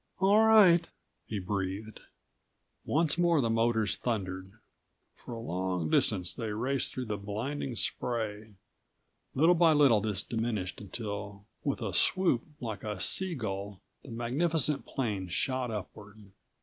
"All right," he breathed. Once more the motors thundered. For a long distance they raced through blinding spray. Little by little this diminished until with a159 swoop, like a sea gull, the magnificent plane shot upward.